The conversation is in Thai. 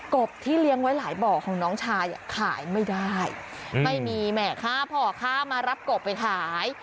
บที่เลี้ยงไว้หลายบ่อของน้องชายขายไม่ได้ไม่มีแม่ค้าพ่อค้ามารับกบไปขาย